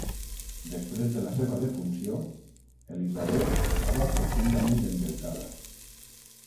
Després de la seva defunció, Elisabet estava profundament endeutada.